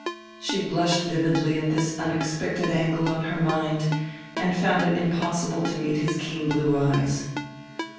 She blushed vividly at this unexpected angle on her mind and found it impossible to meet his keen blue eyes.